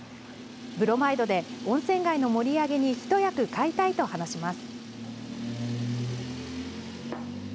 ブロマイドで温泉街の盛り上げに一役買いたいと話します。